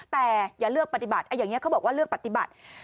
แต่อย่าเลือกปฏิบัติอย่างนี้เขาบอกว่าเลือกปฏิบัติ